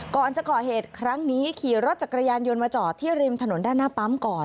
ก่อนจะก่อเหตุครั้งนี้ขี่รถจักรยานยนต์มาจอดที่ริมถนนด้านหน้าปั๊มก่อน